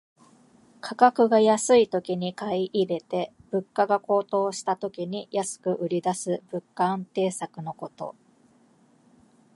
価格が安いときに買い入れて、物価が高騰した時に安く売りだす物価安定策のこと。